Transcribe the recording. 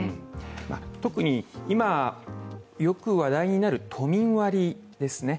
特に、今よく話題になる都民割ですね。